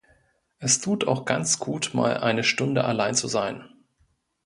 Es tut auch ganz gut, mal eine Stunde allein zu sein.